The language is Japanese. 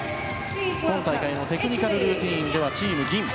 今大会のテクニカルルーティンはチーム銀。